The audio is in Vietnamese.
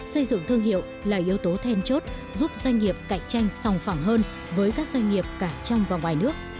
xây dựng thương hiệu là yếu tố then chốt giúp doanh nghiệp cạnh tranh sòng phẳng hơn với các doanh nghiệp cả trong và ngoài nước